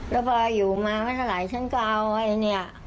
แล้วพออยู่มาไม่เท่าไหร่ฉันก็เอาไอ้เนี่ย